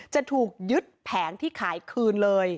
จะถูกยึดแผงที่ขายคืนเลย